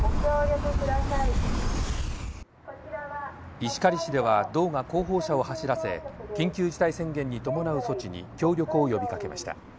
石狩市では道が広報車を走らせ、緊急事態宣言に伴う措置に協力を呼びかけました。